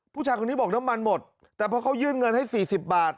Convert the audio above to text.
ผู้ชายคนนี้บอกน้ำมันหมดแต่พอเขายื่นเงินให้๔๐บาท